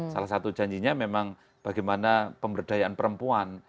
salah satu janjinya memang bagaimana pemberdayaan perempuan